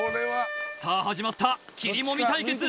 さあ始まったきりもみ対決